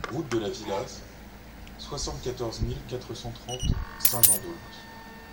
Route de la Villaz, soixante-quatorze mille quatre cent trente Saint-Jean-d'Aulps